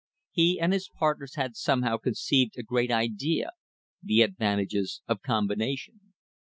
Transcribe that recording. He and his partners had somehow conceived a great idea — the advantages of combination.